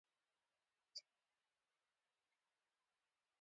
جګړه کوم اړخ ګټلې ده.